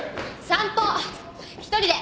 散歩１人で。